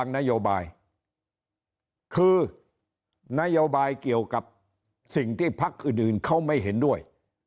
นโยบายคือนโยบายเกี่ยวกับสิ่งที่พักอื่นเขาไม่เห็นด้วย